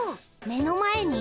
目の前に？